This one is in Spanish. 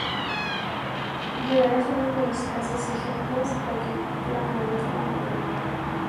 Llegaría a ser uno de los escasos ejemplos de arquitectura modernista de Madrid.